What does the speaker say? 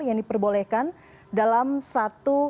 yang diperbolehkan dalam satu